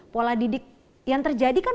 pola didik yang terjadi kan